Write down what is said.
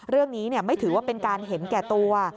เรื่องนี้ไม่ถือว่าเป็นการเห็นแก่ตัว